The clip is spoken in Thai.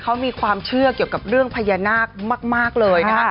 เขามีความเชื่อเกี่ยวกับเรื่องพญานาคมากเลยนะคะ